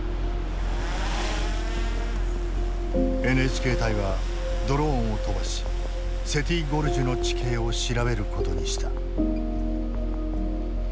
ＮＨＫ隊はドローンを飛ばしセティ・ゴルジュの地形を調べることにした。